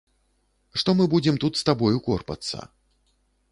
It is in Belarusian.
Што мы будзем тут з табою корпацца.